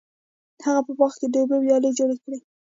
هغه په باغ کې د اوبو ویالې جوړې کړې.